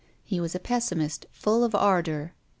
He was a pessimist, full of ardour.